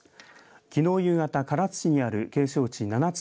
きのう夕方唐津市にある景勝地七ツ